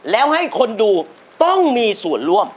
แล้วให้คนดูต้องมีส่วนร่วม